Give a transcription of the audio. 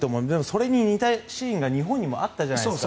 それに似たシーンが日本にもあったじゃないですか。